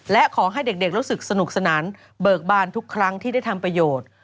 และขอให้เด็กรู้สึกสนุกสนานเบิกบานทุกครั้งที่ได้ทำประโยชน์